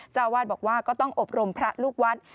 เจ้าอาวาสบอกว่าก็ต้องอบรมพระลูกวัด